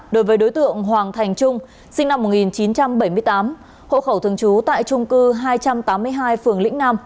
đối với đối tượng hoàng thành trung sinh năm một nghìn chín trăm bảy mươi tám hộ khẩu thường trú tại trung cư hai trăm tám mươi hai phường lĩnh nam